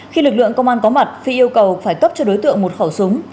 khi lực lượng công an có mặt phi yêu cầu phải cấp cho đối tượng một khẩu súng